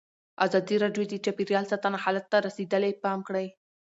ازادي راډیو د چاپیریال ساتنه حالت ته رسېدلي پام کړی.